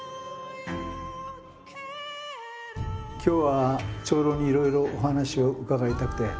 今日は長老にいろいろお話を伺いたくて。